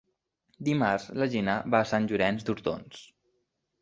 Dimarts na Gina va a Sant Llorenç d'Hortons.